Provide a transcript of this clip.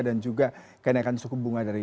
dan juga kenaikan suku bunga dari